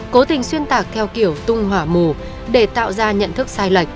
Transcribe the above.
cố tình xuyên tạc theo kiểu tung hỏa mù để tạo ra nhận thức sai lệch